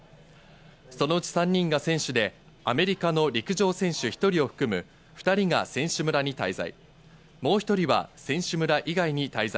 そのうち３人が選手で、アメリカの陸上選手１人を含む２人が選手村に滞在。